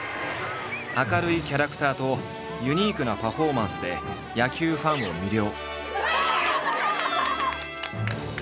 明るいキャラクターとユニークなパフォーマンスで野球ファンを魅了。